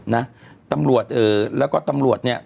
นะตำรวจเอ่อแล้วก็ตำรวจเนี่ย